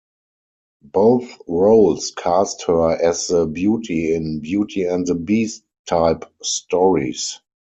Both roles cast her as the beauty in "Beauty and the Beast"-type stories.